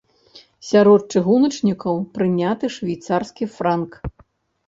Сярод чыгуначнікаў прыняты швейцарскі франк.